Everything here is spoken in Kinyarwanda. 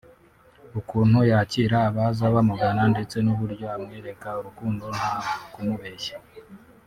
ukuntu yakira abaza bamugana ndetse n’uburyo amwereka urukundo nta kumubeshya